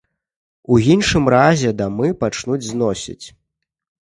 У іншым разе дамы пачнуць зносіць.